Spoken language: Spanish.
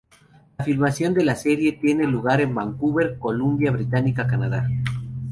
La filmación de la serie tiene lugar en Vancouver, Columbia Británica, Canadá.